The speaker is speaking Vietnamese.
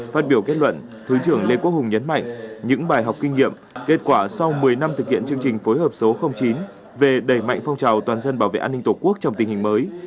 phát biểu kết luận thứ trưởng lê quốc hùng nhấn mạnh những bài học kinh nghiệm kết quả sau một mươi năm thực hiện chương trình phối hợp số chín về đẩy mạnh phong trào toàn dân bảo vệ an ninh tổ quốc trong tình hình mới